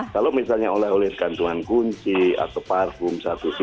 kalau misalnya oleh oleh kantuan kunci atau parfum satu dua